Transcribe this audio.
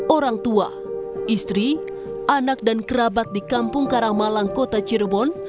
orang tua istri anak dan kerabat di kampung karangmalang kota cirebon